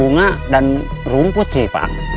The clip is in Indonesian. bunga dan rumput sih pak